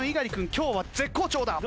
今日は絶好調だ！